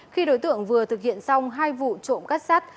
khi đối tượng vừa thực hiện xong hai vụ trộm cắt sắt